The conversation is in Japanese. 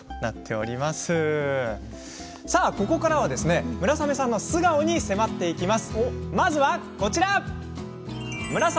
ここからは村雨さんの素顔に迫っていきます。